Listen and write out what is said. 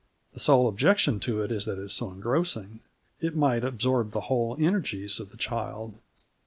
The sole objection to it is that it is so engrossing; it might absorb the whole energies of the child.